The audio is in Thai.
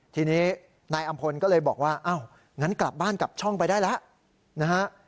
ทีนี้นายอำพลก็เลยบอกว่าอ้าวงั้นกลับบ้านกลับช่องไปได้แล้วนะฮะ